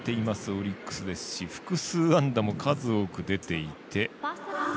オリックスですし複数安打も数多く出ていて。